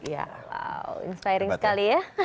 wow inspiring sekali ya